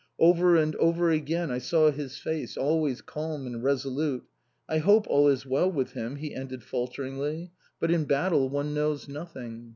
Over and over again I saw his face, always calm and resolute. I hope all is well with him," he ended falteringly, "but in battle one knows nothing!"